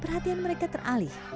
perhatian mereka teralih